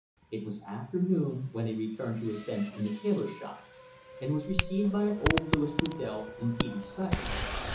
It was afternoon when he returned to his bench in the tailor shop, and was received by old Louis Trudel in peevish silence.